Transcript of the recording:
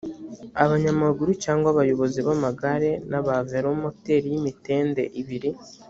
abanyamaguru cyangwa abayobozi b’amagare n’aba velomoteri y’ imitende ibiri